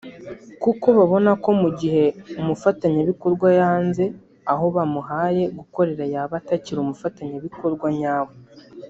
kuko babona ko mu gihe umufatanyabikorwa yanze aho bamuhaye gukorera yaba atakiri umufatanyabikorwa nyawe